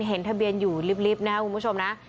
เห็นทะเบียนอยู่ลิบนะคุณผู้ชมนะ